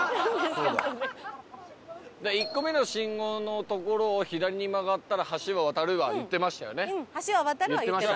「１個目の信号の所を左に曲がったら橋を渡る」は言ってましたよね？